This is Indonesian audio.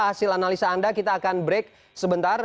hasil analisa anda kita akan break sebentar